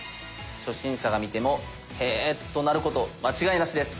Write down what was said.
初心者が見ても「へぇ」となること間違いなしです。